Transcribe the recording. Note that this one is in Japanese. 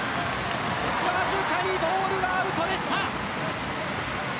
わずかにボールはアウトでした。